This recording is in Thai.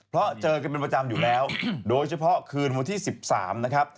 เพราะเจอกันเป็นประจำอยู่แล้วโดยเฉพาะคืนวันที่๑๓นะครับ